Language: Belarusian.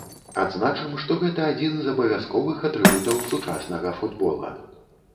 Адзначым, што гэта адзін з абавязковых атрыбутаў сучаснага футбола.